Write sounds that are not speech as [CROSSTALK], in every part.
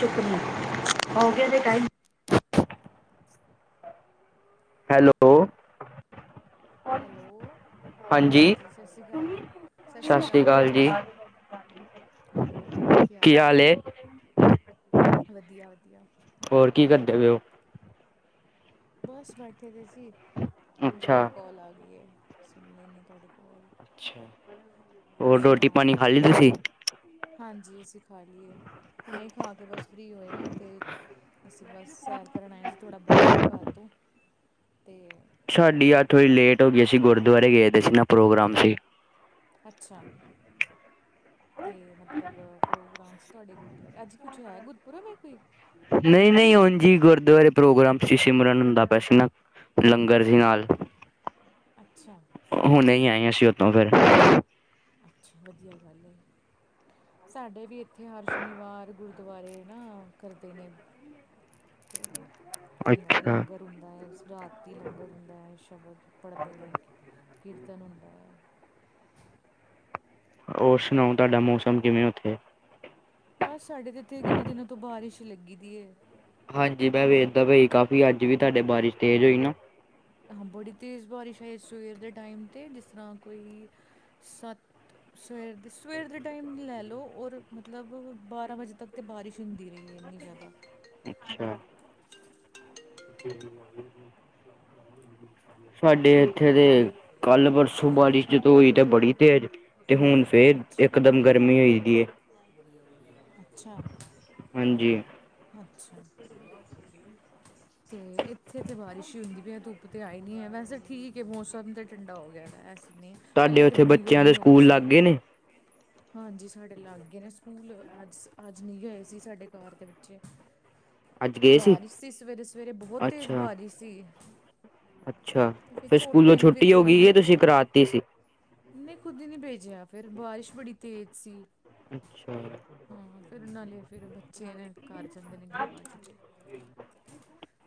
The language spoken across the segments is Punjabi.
ਚੁੱਕਣੀ [UNINTELLIGIBLE] ਹੈਲੋ। ਹੋਗਿਆ‌ ਜੇ ਟਾਈਮ? ਹੈਲੋ। ਹੈਲੋ। ਹਾਂਜੀ, ਸਤਿ ਸ਼੍ਰੀ ਅਕਾਲ, ਸਤਿ ਸ਼੍ਰੀ ਅਕਾਲ ਜੀ। ਹੋਰ, ਕੀ ਹਾਲ ਏ? ਵਧੀਆ-ਵਧੀਆ। ਹੋਰ, ਕੀ ਕਰਦੇ ਪਏਓ? ਬਸ ਬੈਠੇ ਦੇ ਸੀ, ਹੁਣ ਅੱਛਾ ਤੁਹਾਡੀੇ ਕੌਲ ਆ ਗਈ ਏ, ਸੁਣ ਲੈਂਨੇ ਤੁਹਾਡੀ ਕੌਲ। ਅੱਛਾ। ਹੋਰ ਰੋਟੀ ਸੁਣਾਓ? ਪਾਣੀ ਖਾ ਲਈ ਤੁਸੀਂ ਹਾਂਜੀ, ਅਸੀਂ ਖਾ ਲੀਏ। ਹੁਣੇ ਖਾਕੇ ਬਸ ਫ੍ਰੀ ਹੋਏ ਆਂ, ਤੇ ਅਸੀ ਬਸ ਸੈਰ ਕਰਨ ਆਏ ਸੀ ਥੋੜ੍ਹਾ ਬਾਹਰ ਘਰ ਤੋਂ, ਤੇ ਸਾਡੀ ਅੱਠ ਵਜੇ ਲੇਟ ਹੋਗੀ, ਅਸੀਂ‌ ਗੁਰਦੁਆਰੇ ਗਏ ਦੇ ਸੀ ਨਾ ਪ੍ਰੋਗਰਾਮ ਤੇ। ਅੱਛਾ! ਤੇ, ਮਤਲਬ ਪ੍ਰੋਗਰਾਮ ਸੀ ਤੁਹਾਡੇ ਗੁਰਦੁਆਰੇ? ਅੱਜ ਕੁੱਛ ਹੈ, ਗੁਰਪੁਰਬ ਏ ਕੋਈ? ਨਹੀਂ-ਨਹੀਂ, ਉਂਝੀ ਗੁਰਦੁਆਰੇ ਪ੍ਰੋਗਰਾਮ ਸੀ, ਸਿਮਰਨ ਹੁੰਦਾ ਪਿਆ ਸੀ ਨਾ। ਲੰਗਰ ਸੀ ਨਾਲ, ਅੱਛਾ ਹੁਣੇ ਹੀ ਆਏ ਅਸ਼ੀ ਉੱਥੋ ਫਿਰ। ਅੱਛਾ, ਵਧੀਆ ਗੱਲ ਏ। ਸਾਡੇ ਵੀ ਇੱਥੇ ਹਰ ਸ਼ਨੀਵਾਰ ਗੁਰਦੁਆਰੇ ਨਾ, ਕਰਦੇ ਨੇ। ਤੇ ਹੁੰਦੈ ਅੱਛਾ ਲੰਗਰ ਹੁੰਦਾ ਏ, ਰ੍ਹਾਤੀ ਲੰਗਰ ਹੁੰਦਾ ਏ, ਸ਼ਬਦ ਪੜਦੇ ਨੇ। ਕੀਰਤਨ ਹੁੰਦਾ ਏ। ਹੋਰ ਸ਼ੁਨਾਓ ਤੁਆਡਾ ਮੌਸਮ ਕਿਵੇਂ ਆ, ਓਥੇ? ਬਸ ਸਾਡੇ ਤੇ ਇੱਥੇ, ਕਿੰਨੇ ਦਿਨਾਂ ਤੋਂ ਬਾਰਿਸ਼ ਲੱਗੀਦੀਏ। ਹਾਂਜੀ ਮੈਂ ਵੇਖਦਾ ਪਿਆ ਸੀ, ਕਾਫ਼ੀ ਅਜ ਵੀ ਤੂਆਡੇ ਬਾਰਿਸ਼ ਤੇਜ ਹੋਈ ਨਾ। ਹਾਂ, ਬੜੀ ਤੇਜ ਬਾਰਿਸ਼ ਆਈ ਸਵੇਰ ਦੇ ਟਾਈਮ ਤੇ ਜਿਸ ਤਰਾਂ ਕੋਈ, ਸੱਤ ਸਵੇਰ ਦੇ, ਸਵੇਰ ਦੇ ਟਾਈਮ ਲੈਲੋ ਔਰ ਮਤਲਬ ਬਾਰਾਂ ਵਜੇ ਤਕ ਤੇ ਬਾਰਿਸ਼ ਹੁੰਦੀ ਰਹੀਏ ਇਹਨੀ ਜਿਆਦਾ। ਅੱਛਾ। ਸਾਡੇ ਇੱਥੇ ਤੇ, ਕੱਲ-ਪਰਸੋ ਸੁਬਾਹ ਦੀ ਜਦੋਂ ਹੋਈ ਤੇ ਬੜੀ ਤੇਜ, ਤੇ ਹੁਨ ਫਿਰ ਅੱਛਾ ਇੱਕਦਮ ਗਰਮੀ ਹੋਈਦੀਏ। ਅੱਛਾ। ਹਾਂਜੀ ਅੱਛਾ। ਤੇ ਏਥੇ ਤੇ ਬਾਰਿਸ਼ ਈ ਹੁੰਦੀ ਪੀਏ। ਧੁੱਪ ਤੇ ਆਈ ਨੀਏ ਵੈਸੇ ਠੀਕਏ ਮੌਸਮ ਤੇ ਠੰਡਾ ਹੋ ਗੇਆ ਨਾ ਏਸ ਨੀ, ਤੁਹਾਡੇ ਪੇਲੇ ਤੇ ਉੱਥੇ ਬੜੀ ਬੱਚਿਆਂ ਦੇ ਗਰਮੀ ਹੋ ਗਈ ਸਕੂਲ ਲੱਗ ਸੀ। ਗਏ ਨੇ ਹਾਂਜੀ, ਸਾਡੇ ਲਾੱਗੇ ਨੇ ਸੂਕੂਲ। ਅਜ-ਅਜ ਨੀ ਗਏ ਸੀ ਸਾਡੇ ਘਾਰ ਦੇ ਬੱਚੇ। [INAUDIBLE] ਬਾਰਿਸ ਸੀ ਸਵੇਰੇ-ਸਵੇਰੇ ਬੋਹਤ ਤੇਜ਼ ਅੱਛਾ ਬਾਰਿਸ ਸੀ। ਅੱਛਾ, ਤੇ ਫਿਰ ਫੇਰ ਸਕੂਲੇ ਛੋਟੇ ਨੇ ਫਿਰ ਛੁੱਟੀ ਹੋ ਗਈ ਏ ਤੁਸੀਂ ਕਰਾਤੀ ਸੀ। ਨਈ ਖੁਦ ਈ ਨਈ ਭੇਜਿਆ ਫੇਰ ਬਾਰਿਸ਼ ਬੜੀ ਤੇਜ਼ ਸੀ। ਅੱਛਾ। ਹੂੰ-ਹੁੰ, ਫੇਰ ਨਾਲੇ ਫਿਰ ਬੱਚੇ ਨੇ, ਕਾਰ ਜਾਂਦੇ ਨੇ ਕਈ ਵਾਰ ਛੁੱਟੀ।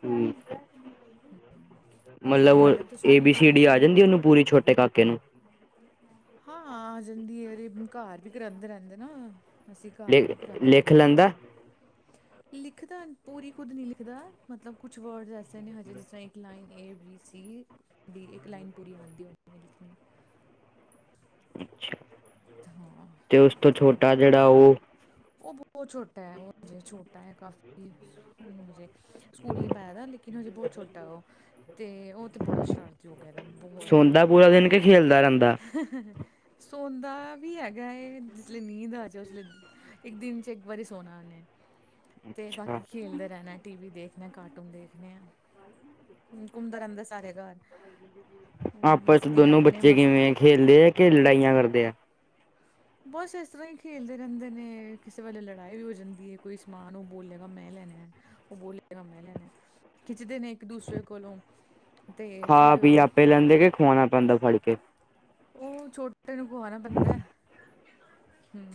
ਹੁੰ। ਹੋਰ ਸੁਣਾਓ ਮਲਬ ਓ ਤੁਹਾਡੇ ਉੱਥੇ ਏ, ਸਕੂਲ ਬੀ, ਸੀ, ਖੁੱਲ੍ਹੇ ਡੀ ਨੇ ਆ ਜਾਂਦੀ ਓਨੂ ਪੂਰੀ ਛੋਟੇ ਕਾਕੇ ਨੂ? ਹਾਂਆ [UNINTELLIGIBLE] ਘਾਰ ਵੀ ਕਰਾਂਦੇ ਰੈਂਦੇ ਨਾ। ਅਸੀ ਲ ਘਾਰ ਵੀ ਕਰਾਂਦੇ ਲਿਖ ਰੈਂਦੇ ਆਂ ਓਨਾਂ ਲੈਂਦਾ ਨੂ। ਲਿਖਦਾ, ਪੂਰੀ ਖੁਦ ਨੀ ਲਿਖਦਾ, ਮਤਲਬ ਕੁੱਛ ਵ੍ਰਡਜ਼ ਐਸੇ ਨੇ ਹਜੇ ਜਿਸ ਤਰਾਂ ਏ line A, B, C, D ਇਕ ਲਾਈਨ ਪੂਰੀ ਆਂਦੀ ਓਨਏ ਲਿਖਨੀ। ਅੱਛਾ, ਤਾਂ ਹਾਂ ਤੇ ਉਸ ਤੋਂ ਛੋਟਾ ਜੇੜਾ ਓ? ਓ ਬੋਤ ਛੋਟਾਐ, ਓ ਹਜੇ ਛੋਟਾਏ ਕਾਫੀ, ਓਨੂ ਹਜੇ ਸਕੂਲ ਨੀ ਪਾਆਦਾ ਲੇਕਿਨ ਹਜੇ ਬੋਤ ਛੋਟਾ ਓ, ਤੇ ਓ ਤੇ ਬੜਾ ਸ਼ਰਾਰ ਤੀ ਹੋ ਗਆ ਦਾ ਏ ਬੋਹਤ। ਸੌਦਾ ਪੂਰਾ ਦਿਨ ਕੀ ਖੇਲਦਾ ਰੈਂਦਾ? ਸੌਂਦਾ ਵੀ ਹੈਗਾਏ ਜਿਸਲੇ ਨੀਂਦ ਆਜੇ ਉਸਲੇ ਇਕ ਦਿਨ ਚ ਏਕ ਵਾਰੀ ਸੋਨਾ ਓਨੇ, ਤੇ ਅੱਛਾ ਬਾਕੀ ਖੇਲਦੇ ਰੈਨਾ। ਟੀਵੀ ਦੇਖਨਾਐ, ਕਾਰਟੂਨ ਦੇਖਨੇਏ, ਹੁੰ ਘੁੰਮਦਾ ਰੈਂਦਾ ਸਾਰੇ ਘਾਰ ਆਪਸ ਚ ਦੋਨੋ ਬੱਚੇ ਮਸਤ ਕਿਵੇਂ ਏ, ਖੇਲਦੈ ਕੇ ਲੜਾਈਆਂ ਕਰਦੇਐ? ਬਸ ਏਸ ਤਰਾਂ ਈ ਖੇਲਦੇ ਰੈਂਦੇ ਨੇ, ਕਿਸੇ ਵੇਲੇ ਲੜਾਈ ਵੀ ਹੋ ਜਾਂਦੀਏ ਕੋਈ ਸਮਾਨ ਓ ਬੋਲੇਗਾ ਮੈਂ ਲੈਨੇ ਓ ਬੋਲੇਗਾ ਮੈਂ ਲੈਨੇਏ, ਖਿੱਚਦੇ ਨੇ ਇਕ ਦੂਸਰੇ ਕੋਲੋਂ। ਤੇ ਖਾ ਫਿਰ ਪੀ ਆਪੇ ਲੈਂਦੇ ਕੇ, ਖੁਵਾਣਾ ਪੈਂਦੈ ਫੜ ਕੇ? ਓ ਛੋਟੇ ਨੂ ਖੁਆਨਾ ਪੈਂਦੈ, ਹੂੰ।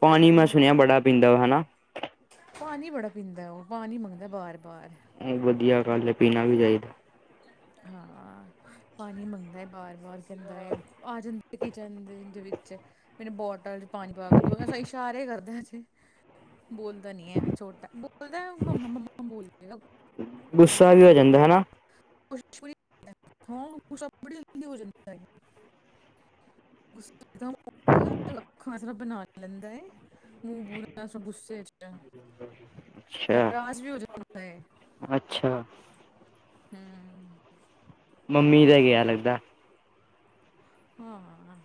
ਪਾਨੀ ਮੈਂ ਸੁਨੇਆ ਬੜਾ ਪੀਂਦਾ ਓ ਹੇਨਾ? ਪਾਨੀ ਬੜਾ ਪੀਂਦਾਏ ਓ, ਪਾਨੀ ਮੰਗਦਾ ਬਾਰ-ਬਾਰ। ਏਹ ਵਦੀਆ ਗਾਲਏ ਪੀਨਾ ਵੀ ਚਾਈਦਾ। ਹਾਂ। ਪਾਨੀ ਮੰਗਦਾਏ ਬਾਰ-ਬਾਰ ਕੈਂਦਾਐ, ਆ ਜਾਂਦਾ ਕਿਚਨ ਦੇ-ਦੇ ਵਿੱਚ। ਮੈਨੂ ਬੋਟਲ ਚ ਪਾਨੀ ਪਾਕੇ ਦੋ, ਐਸਾ ਇਸ਼ਾਰੇ ਕਰਦਾ ਜੇ। ਬੋਲਦਾ ਨੀ ਐ, ਛੋਟਾ, ਬੋਲਦਾਏ, ਮੰਮਾ-ਮੰਮਾ ਬੋਲੇਗਾ ਗੁੱਸਾ ਵੀ ਹੋ ਜਾਂਦਾ [UNINTELLIGIBLE] ਹਨਾ [UNINTELLIGIBLE] [UNINTELLIGIBLE] ਬਨਾ ਲੈਂਦਾਏ। ਮੂੰਹ ਪੁਰਾ ਐਸਾ ਗੁੱਸੇ ਚ। ਅੱਛਾ ਨਰਾਜ਼ ਵੀ ਹੋ ਜਾਂਦਾ ਏ। ਅੱਛਾ। ਹੁੰ। ਮੰਮੀ ਤੇ ਗਿਆ ਲੱਗਦਾ। ਹਾਂ।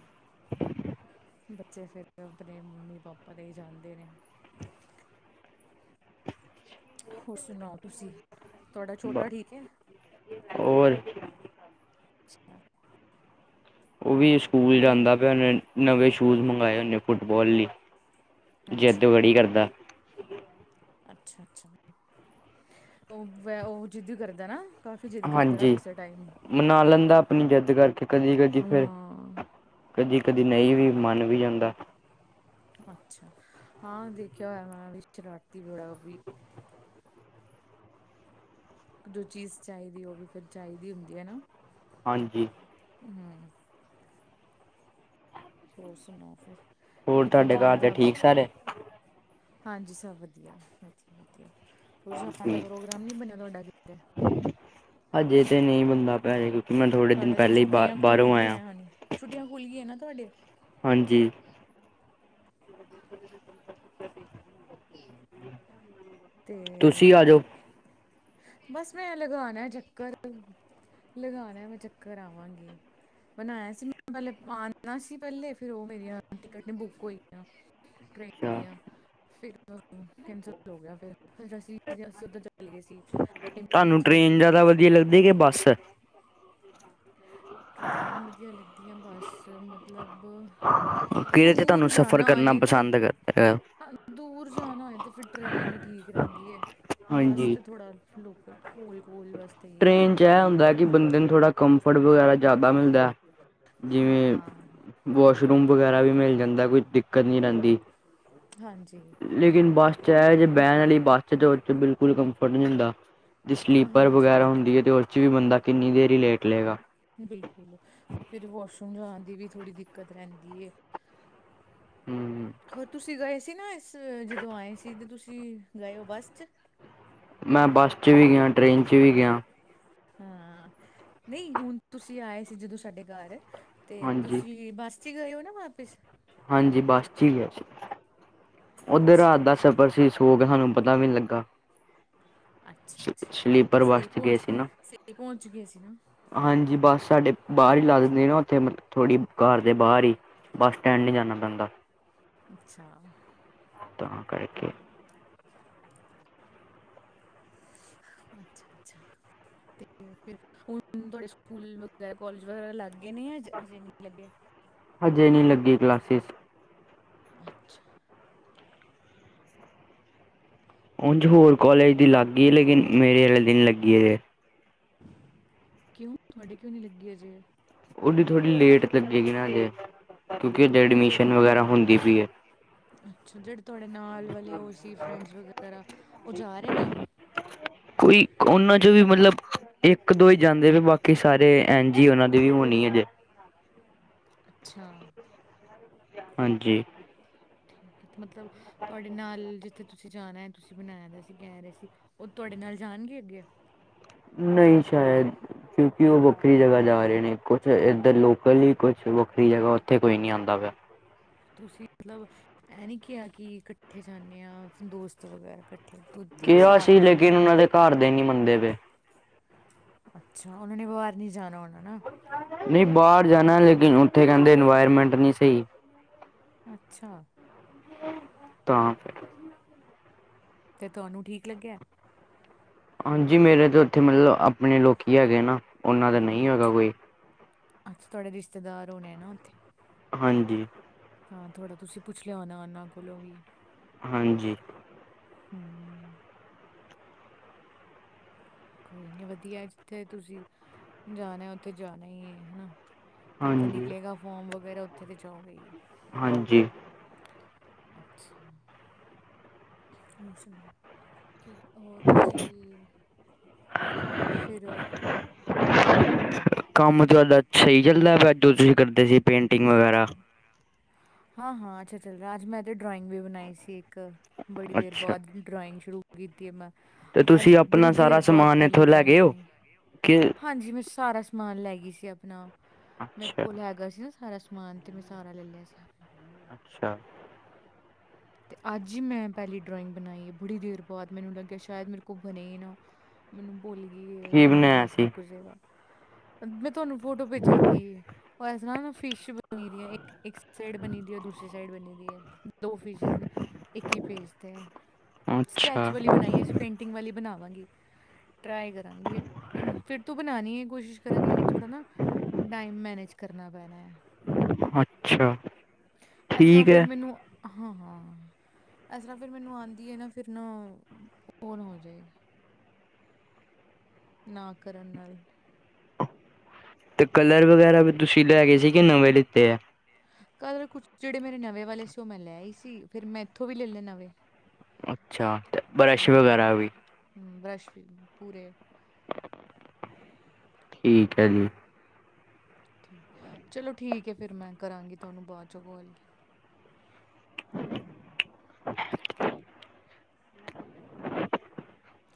ਬੱਚੇ ਫੇਰ ਤੇ ਆਪਨੇ ਮੰਮੀ ਪਾਪਾ ਤੇ ਈ ਜਾਂਦੇ ਨੇ। ਹੋਰ ਸੁਣਾਓ ਤੁਸੀਂ, ਤੁਹਾਡਾ ਛੋਟਾ ਠੀਕ ਐ। ਔਰ। ਅੱਛਾ। ਉਹ ਵੀ ਸਕੂਲ ਉਹ ਵੀ ਜਾਂਦਾ ਪਿਆ ਹੁਨੇ, ਨਵੇਂ ਸ਼ੂਜ ਮੰਗਵਾਏ ਉਨੇ ਫੁੱਟਬਾਲ ਲਈ। ਜਿੱਦ ਅੱਛਾ। ਬੜੀ ਕਰਦਾ ਅੱਛਾ ਅੱਛਾ ਉਹ ਵੈ ਉਹ ਜ਼ਿੱਦ ਕਰਦਾ ਨਾ ਕਾਫੀ ਜਿੱਦ ਕਰਦਾ ਹਾਂਜੀ ਕਿਸੇ ਟਾਈਮ ਮਨਾ ਲੈਂਦਾ ਆਪਣੀ ਜਿੱਦ ਕਰਕੇ ਕਦੀ ਕਦੀ ਫਿਰ ਹਾਂ ਕਦੀ ਕਦੀ ਨਹੀਂ ਵੀ ਮਨ ਵੀ ਜਾਂਦਾ ਅੱਛਾ, ਹਾਂ ਦੇਖ ਹੋਆ ਮੈਂ ਵੀ ਸ਼ਰਾਰਤੀ ਬੜਾ ਓਵੀ। ਇੱਕ ਦੋ ਚੀਜ਼ ਚਾਹੀਦੀ ਓ ਵੀ ਫਿਰ ਚਾਹੀਦੀ ਹੁੰਦੀ ਏਨਾ। ਹਾਂਜੀ। ਹੂ,,, ਹੋਰ ਸੁਣਾਓ ਫਿਰ ਹੋਰ ਕਿਤੇ ਤੁਹਾਡੇ ਜਾਣ ਘਰ ਦੇ ਦਾ ਠੀਕ ਸਾਰੇ ਹਾਂਜੀ ਸਭ ਵਧੀਆ ਵਧੀਆ ਵਧੀਆ ਹੋਰ ਜਾਨ ਦਾ ਠੀਕ ਪ੍ਰੋਗਰਾਮ ਨਹੀਂ ਬਣਿਆ ਤੁਹਾਡਾ ਕਿਤੇ ਹਜੇ ਤੇ ਨਹੀਂ ਬੰਦਾ ਪਿਆ ਮੈਂ ਥੋੜੇ ਦਿਨ ਤੁਹਾਡੇ ਤੇ ਪਹਿਲੇ ਹੀ ਬਾ ਛੁੱਟੀਆਂ ਖੁੱਲ ਬਾਹਰੋਂ ਆਇਆ। ਗਈਆਂ ਨੇ ਛੁੱਟੀਆਂ ਖੁੱਲ ਗਈਆਂ ਨਾ ਤੁਹਾਡੇ ਹਾਂਜੀ ਤੇ ਤੁਸੀਂ ਆ ਜਾਓ ਬਸ ਮੈਂ ਲਗਾਉਣਾ ਚੱਕਰ ਲਗਾਉਣਾ ਮੈਂ ਚੱਕਰ ਆਵਾਂਗੀ ਬਣਾਇਆ ਸੀ ਮੈਂ ਪਹਿਲੇ ਪਾਣ ਸੀ ਪਹਿਲੇ ਫਿਰ ਉਹ ਮੇਰੀਆਂ ਟਿਕਟ ਨਹੀਂ ਬੁੱਕ ਹੋਈਆਂ ਟ੍ਰੇਨ ਅੱਛਾ। ਦੀਆਂ ਫਿਰ ਕੈਂਸਲ ਹੋ ਗਿਆ ਫਿਰ ਅਸੀਂ ਅਸੀਂ ਉੱਧਰ ਚਲੇ ਗਏ ਸੀ। ਤੁਹਾਨੂੰ ਹੇਮਕੁੰਟ ਸਾਹਿਬ ਟ੍ਰੇਨ ਚਲੇ ਗਏ ਜ਼ਿਆਦਾ ਸੀ। ਵਧੀਆ ਲੱਗਦੀ ਕੇ ਬੱਸ ਟ੍ਰੇਨ ਵਧੀਆ ਲੱਗਦੀ ਆ ਬੱਸ ਮਤਲਬ ਤੇ ਤੁਹਾਨੂੰ ਦੂਰ ਸਫ਼ਰ ਕਰਨਾ ਪਸੰਦ ਹਾਂਜੀ ਦੂਰ ਜਾਣਾ ਹੋਏ ਤਾਂ ਫਿਰ ਟ੍ਰੇਨ ਹੀ ਠੀਕ ਰਹਿੰਦੀ ਹੈ ਬਸ ਹਾਂਜੀ ਤਾਂ ਥੋੜਾ ਲੋਕਲ ਕੋਲ ਵਾਸਤੇ ਹੀ ਟ੍ਰੇਨ ਚ ਇਹ ਜਾਣਾ। ਹੁੰਦਾ ਕਿ ਬੰਦੇ ਨੂੰ ਥੋੜਾ ਕੰਫਰਟ ਵਗੈਰਾ ਜ਼ਿਆਦਾ ਮਿਲਦਾ ਹਾਂ, ਜਿਵੇਂ ਵਾਸ਼ਰੂਮ ਵਗੈਰਾ ਵੀ ਮਿਲ ਜਾਂਦਾ ਕੋਈ ਦਿੱਕਤ ਨਹੀਂ ਰਹਿੰਦੀ ਹਾਂਜੀ ਲੇਕਿਨ ਬੱਸ ਚ ਇਹ ਜੇ ਬਹਿਣ ਵਾਲੀ ਬੱਸ ਚ ਤੇ ਉਹ ਚ ਬਿਲਕੁਲ ਕੰਫਰਟ ਨਹੀਂ ਹੁੰਦਾ ਜੇ ਸਲੀਪਰ ਵਗੈਰਾ ਹੁੰਦੀ ਹਾਂਜੀ-ਹਾਂਜੀ। ਹੈ ਤਾਂ ਉਹਦੇ 'ਚ ਵੀ ਬੰਦਾ ਕਿੰਨੀ ਦੇਰ ਹੀ ਲੇਟ ਲਏਗਾ ਬਿਲਕੁਲ ਫਿਰ ਵਾਸ਼ਰੂਮ ਜਾਣ ਦੀ ਵੀ ਥੋੜੀ ਦਿੱਕਤ ਰਹਿੰਦੀ ਹੈ। ਹੂੰ ਹੋਰ ਤੁਸੀਂ ਗਏ ਸੀ ਨਾ ਇਸ ਜਦੋਂ ਆਏ ਸੀ ਤਾਂ ਤੁਸੀਂ ਗਏ ਹੋ ਬੱਸ 'ਚ ਮੈਂ ਬੱਸ 'ਚ ਵੀ ਗਿਆ ਟ੍ਰੇਨ 'ਚ ਵੀ ਗਿਆ। ਹਾਂ ਨਹੀਂ ਹੁਣ ਤੁਸੀਂ ਆਏ ਸੀ ਜਦੋਂ ਸਾਡੇ ਘਰ ਤੇ ਹਾਂਜੀ ਤੁਸੀਂ ਬੱਸ ਅੱਜ ਗਏ ਹੋ ਨਾ ਵਾਪਿਸ ਹਾਂਜੀ ਬੱਸ ਚ ਹੈ। ਉੱਧਰ ਅੱਛਾ ਰਾਤ ਦਾ ਸਫਰ ਸੀ ਸੋ ਗਏ ਸਾਨੂੰ ਪਤਾ ਵੀ ਨੀ ਲੱਗਾ ਅੱਛਾ ਅੱਛਾ ਸਲੀਪਰ ਸਹੀ ਬੱਸ 'ਚ ਗਏ ਪਹੁੰਚ ਸੀ ਨਾ ਸਹੀ ਪਹੁੰਚ ਗਏ ਸੀ ਨਾ ਹਾਂਜੀ ਬਸ ਸਾਡੇ ਬਾਹਰ ਹੀ ਲਾ ਦਿੰਦੇ ਨਾ ਉੱਥੇ ਥੋੜੀ ਘਰ ਦੇ ਬਾਹਰ ਹੀ। ਬੱਸ ਸਟੈਂਡ ਨਹੀਂ ਜਾਣਾ ਪੈਂਦਾ। ਅੱਛਾ। ਤਾਂ ਕਰਕੇ [INAUDIBLE] ਅੱਛਾ- ਅੱਛਾ। ਤੇ ਫਿਰ ਹੁਣ ਤੁਹਾਡੇ ਸਕੂਲ ਵਗੈਰਾ ਕੋਲਜ ਵਗੈਰਾ ਲੱਗ ਗਏ ਨੇ ਹਜੇ ਨਹੀਂ ਲੱਗੇ। ਹਜੇ ਨਹੀਂ ਲੱਗੀ ਕਲਾਸਿਸ ਅੱਛਾ। ਉਂਝ ਠੀਕ ਹੋਰ ਹੈ ਕੋਲਜ ਕਿਹੜਾ ਦੀ ਲੱਗ ਗਈ ਲੇਕਿਨ ਮੇਰੇ ਆਲੇ ਦੀ ਨਹੀਂ ਲੱਗੀ ਅਜੇ ਕਿਉਂ ਤੁਹਾਡੇ ਕਿਉਂ ਨੀ ਲੱਗੀ ਅਜੇ ਉਹਦੀ ਥੋੜੀ ਲੇਟ ਲੱਗੇਗੀ ਨਾ ਹੱਲੇ ਕਿਉਂਕਿ ਜੇ ਤੇ ਐਡਮਿਸ਼ਨ ਜਿਹੜੇ ਵਗੈਰਾ ਹੁੰਦੀ ਪਈ ਏ। ਅੱਛਾ ਜਿਹੜੇ ਤੁਹਾਡੇ ਨਾਲ ਵਾਲੇ ਉਹ ਸੀ ਫਰੈਂਡਸ ਵਗੈਰਾ ਉਹ ਜਾ ਰਹੇ ਨੇ। ਕੋਈ ਉਹਨਾਂ ਚੋਂ ਵੀ ਮਤਲਬ ਇੱਕ ਦੋ ਹੀ ਜਾਂਦੇ ਵੀ ਬਾਕੀ ਸਾਰੇ ਐਨ ਜੀ ਉਹਨਾਂ ਦੀ ਵੀ ਹੋਣੀ ਹੈਜੇ ਅੱਛਾ ਹਾਂਜੀ ਠੀਕ ਹੈ ਮੱਤਲਬ ਤੁਹਾਡੇ ਨਾਲ ਜ ਉੱਥੇ ਤੁਸੀਂ ਜਾਣਾ ਹੈ ਤੁਸੀਂ ਬਣਾਇਆ ਦਾ ਸੀ ਕਹਿ ਰਹੇ ਸੀ ਉਹ ਤੁਹਾਡੇ ਨਾਲ ਜਾਣਗੇ ਅੱਗੇ ਨਹੀਂ ਸ਼ਾਇਦ ਕਿਉਂਕਿ ਉਹ ਵੱਖਰੀ ਜਗ੍ਹਾ ਜਾ ਰਹੇ ਨੇ ਕੁਛ ਇੱਧਰ ਲੋਕਲ ਹੀ ਕੁਛ ਵੱਖਰੀ ਜਗ੍ਹਾ ਉੱਥੇ ਕੋਈ ਨਹੀਂ ਆਉਂਦਾ ਵਾ ਤੁਸੀਂ ਮਤਲਬ ਇਹ ਨੀ ਕਿਹਾ ਕਿ ਕੱਠੇ ਜਾਂਣੇ ਆ ਦੋਸਤ ਵਗੈਰਾ ਕੱਠੇ ਦੁ ਕਿਹਾ ਸੀ ਲੇਕਿਨ ਉਹਨਾਂ ਦੇ ਘਰ ਦੇ ਨਹੀਂ ਮੰਨਦੇ ਪਏ। ਅੱਛਾ ਉਹਨਾਂ ਨੇ ਵਾਰ ਨੀ ਜਾਣਾ ਹੋਣਾ ਨਾ। ਨਹੀਂ ਬਾਹਰ ਜਾਣਾ ਲੇਕਿਨ ਉੱਥੇ ਕਹਿੰਦੇ ਇਨਵਾਇਰਮੈਂਟ ਨਹੀਂ ਸਹੀ ਅੱਛਾ ਤਾਂ ਫ ਤੇ ਤੁਹਾਨੂੰ ਠੀਕ ਲੱਗਿਆ। ਹਾਂਜੀ ਮੇਰੇ ਤਾਂ ਉੱਥੇ ਮਤਲਬ ਆਪਣੇ ਲੋਕੀ ਹੈਗੇ ਨਾ ਉਹਨਾਂ ਦਾ ਨਹੀਂ ਹੈਗਾ ਕੋਈ ਅੱਛ ਤੁਹਾਡੇ ਰਿਸ਼ਤੇਦਾਰ ਹੋਨੇ ਆਂ ਨਾਂ ਉੱਥੇ ਹਾਂਜੀ ਹਾਂ ਥੋੜਾ ਤੁਸੀਂ ਪੁੱਛ ਲਿਆ ਉਹਨਾਂ ਕੋਲੋਂ ਵੀ ਹਾਂਜੀ ਹੂੰ ਕੋਈ ਨਹੀਂ ਵਧੀਆ ਜਿੱਥੇ ਤੁਸੀਂ ਜਾਣਾ ਉੱਥੇ ਜਾਣਾ ਈ ਏ ਹਨਾ। ਜਿੱਥੇ ਹਾਂਜੀ ਨਿਕਲੇਗਾ ਫੋਮ ਵਗੈਰਾ ਉੱਥੇ ਤੇ ਜਾਓਗੇ ਈ। ਹਾਂਜੀ ਅੱਛਾ ਹੋਰ ਸੁਣਾਓ ਕਿ ਹੋਰ ਤੁਸੀਂ ਫਿਰ ਕੰਮ ਤੁਹਾਡਾ ਸਹੀ ਚੱਲਦਾ ਪਿਆ ਜੋ ਤੁਸੀਂ ਕਰਦੇ ਸੀ ਪੇਂਟਿੰਗ ਵਗੈਰਾ ਹਾਂ- ਹਾਂ ਅੱਛਾ ਚੱਲ ਅਜ ਮੈਂ ਤੇ ਡਰਾਇੰਗ ਵੀ ਬਣਾਈ ਸੀ ਇੱਕ ਬੜੀ ਦੇਰ ਅੱਛਾ ਬਾਅਦ ਡਰਾਇੰਗ ਸ਼ੁਰੂ ਕੀਤੀ ਮੈਂ ਤੇ ਅੱਜ ਤੁਸੀਂ ਆਪਣਾ ਬੜੀ ਦੇਰ ਸਾਰਾ ਬਾਅਦ ਸਮਾਨ ਪਹਿਲੀ ਇੱਥੋਂ ਲੈ ਡਰਾਇੰਗ ਗਏ ਹੋ ਬਣਾਈ। ਕਿ ਹਾਂਜੀ ਮੈਂ ਸਾਰਾ ਸਮਾਨ ਲੈ ਗਈ ਸੀ ਆਪਣਾ ਮੇਰੇ ਅੱਛਾ ਕੋਲ ਹੈਗਾ ਸੀ ਨਾ ਸਾਰਾ ਸਮ ਸਮਾਨ ਤੇ ਮੈਂ ਸਾਰਾ ਲੈ ਲਿਆ ਸੀ। ਅੱਛਾ ਅਤੇ ਅੱਜ ਹੀ ਮੈਂ ਪਹਿਲੀ ਡਰਾਇੰਗ ਬਣਾਈ ਏ ਬੜੀ ਦੇਰ ਬਾਅਦ ਮੈਨੂੰ ਲੱਗਿਆ ਸ਼ਾਇਦ ਮੇਰੇ ਕੋਲ ਬਣੇ ਨਾ। ਮੈਨੂੰ ਭੁੱਲ ਗਈਏ ਕੀ ਜਾਂ ਮੇਰਾ ਬਣਾਇਆ ਹੱਥ ਸੀ ਰੁਕ ਜਾਏਗਾ। ਮੈਂ ਤੁਹਾਨੂੰ ਫੋਟੋ ਭੇਜਾਂਗੀ ਉਹ ਇਸ ਤਰ੍ਹਾਂ ਨਾ ਫਿਸ਼ ਬਣੀ ਇੱਕ -ਇੱਕ ਸਾਈਡ ਬਣੀ ਦੀ ਦੂਸਰੀ ਸਾਈਡ ਬਣੀ ਦੀ ਹੈ ਦੋ ਫਿਸ਼ਜ਼ ਇੱਕ ਹੀ ਪੇਜ ਤੇ ਸਕੈਚ ਅੱਛਾ ਵਾਲੀ ਬਣਾਈ ਹੈ, ਜੀ ਪੇਂਟਿੰਗ ਵਾਲੀ ਬਣਾਵਾਂਗੀ। ਟਰਾਈ ਕਰਾਂਗੀ ਫਿਰ ਤੋਂ ਬਣਾਉਾਨ ਹੈ ਕੋਸ਼ਿਸ਼ ਕਰਾਂਗੀ ਲੇਕਿਨ ਥੋੜ੍ਹਾ ਨਾ ਟਾਈਮ ਮੈਨੇਜ ਕਰ ਕਰਨਾ ਪੈਣਾ ਹੈ, ਅੱਛਾ ਇਸ ਤਰ੍ਹਾਂ ਠੀਕ ਫਿਰ ਹੈ ਮੈਨੂੰ, ਹਾਂ ਹਾਂ ਇਸ ਤਰ੍ਹਾਂ ਫਿਰ ਮੈਨੂੰ ਆਉਂਦੀ ਹੈ ਨਾ, ਫਿਰ ਨਾ ਓ ਨਾਂ ਹੋ ਜਾਏ। ਨਾ, ਕਰਨ ਨਾਲ ਤੇ ਕਲਰ ਵਗੈਰਾ ਵੀ ਤੁਸੀਂ ਲੈ ਗੇ ਸੀ। ਕਿ ਨਵੇਂ ਲਿੱਤੇ ਐ, ਕੱਲ ਕੁਛ ਜਿਹੜੇ ਮੇਰੇ ਨਵੇਂ ਵਾਲੇ ਸੀ। ਉਹ ਮੈਂ ਲੈ ਆਈ ਸੀ। ਫਿਰ ਮੈਂ ਇਥੋਂ ਵੀ ਲੈ ਲਏ ਨਵੇਂ। ਅੱਛਾ, ਅਤੇ ਬਰੱਸ਼ ਵਗੈਰਾ ਵੀ। ਹੂੰ, ਬਰੱਸ਼ ਵੀ ਪੂਰੇ। ਠੀਕ ਹੈ, ਜੀ ਠੀਕ ਚਲੋ, ਠੀਕ ਹੈ, ਫਿਰ ਮੈਂ ਕਰਾਂਗੀ। ਤੁਹਾਨੂੰ ਬਾਅਦ ਚ ਗਲ।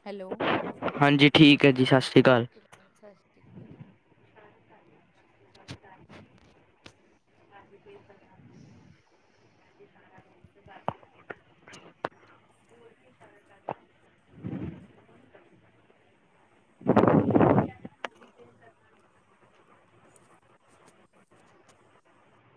ਹੈਲੋ ਹਾਂਜੀ ਠੀਕ ਹੈ, ਜੀ ਸਤਿ ਸ਼੍ਰੀ ਅਕਾਲ ਓਕੇ ਸਤਿ ਸ਼੍ਰੀ ਅਕਾਲ, ਜੀ